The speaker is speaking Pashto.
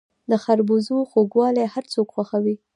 د خربوزو خوږوالی هر څوک خوښوي.